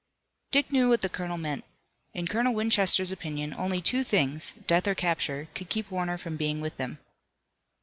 Dick knew what the colonel meant. In Colonel Winchester's opinion only two things, death or capture, could keep Warner from being with them.